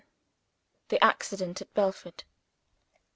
THE ACCIDENT AT BELFORD.